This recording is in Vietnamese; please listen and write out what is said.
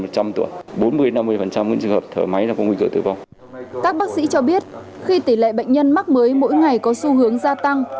các bác sĩ cho biết khi tỷ lệ bệnh nhân mắc mới mỗi ngày có xu hướng gia tăng